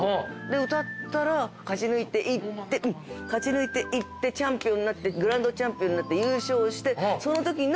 で歌ったら勝ち抜いていってチャンピオンになってグランドチャンピオンになって優勝して。